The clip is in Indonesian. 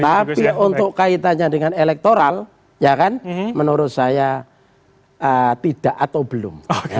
tapi untuk kaitannya dengan elektoral ya kan menurut saya tidak atau belum